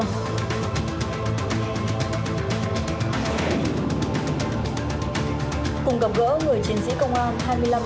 cùng gặp gỡ người chiến sĩ công an hai mươi năm